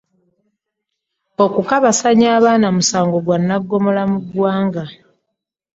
Okukabassanya abaana musango gwa naggomola mu ggwanga.